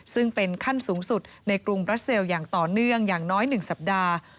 ซึ่งเป็นขั้นสูงสุดในกรุงบราเซลอย่างต่อเนื่องอย่างน้อย๑สัปดาห์